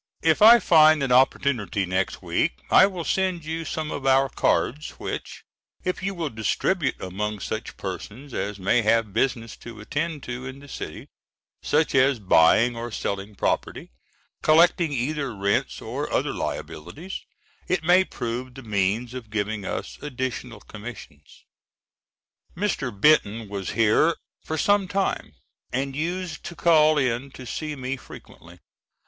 If I find an opportunity next week I will send you some of our cards, which, if you will distribute among such persons as may have business to attend to in the city, such as buying or selling property, collecting either rents or other liabilities, it may prove the means of giving us additional commissions. Mr. Benton was here for some time and used to call in to see me frequently.